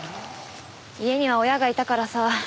家には親がいたからさ